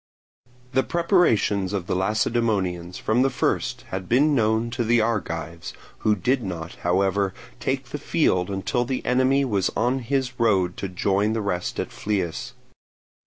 The preparations of the Lacedaemonians from the first had been known to the Argives, who did not, however, take the field until the enemy was on his road to join the rest at Phlius.